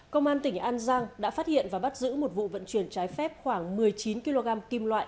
công an tỉnh an giang đã phát hiện và bắt giữ một vụ vận chuyển trái phép khoảng một mươi chín kg kim loại